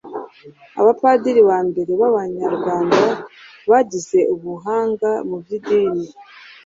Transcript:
Abapadiri ba mbere b'Abanyarwanda bagize ubuhanga mu by'idini,